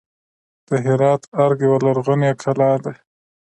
د هرات ارګ یوه لرغونې کلا ده